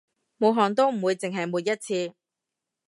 抹汗都唔會淨係抹一次